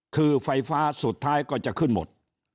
คือไฟฟ้าสุดท้ายก็จะขึ้นหมด